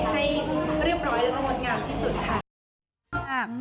ให้เรียบร้อยและรวมงานที่สุดค่ะ